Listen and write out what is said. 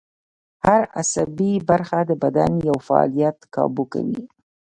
هر عصبي برخه د بدن یو فعالیت کابو کوي